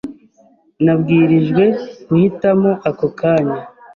Nabwirijwe guhitamo ako kanya.